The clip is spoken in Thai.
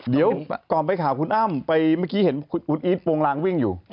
เดี๋ยวก่อนไปข่าวคุณอ้ำไปเมื่อกี้เห็นคุณอีทโปรงลางวิ่งอยู่